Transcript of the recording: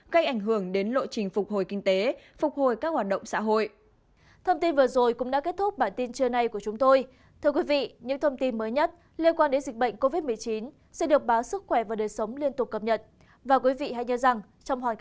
gây ảnh hưởng đến lộ trình phục hồi kinh tế phục hồi các hoạt động xã hội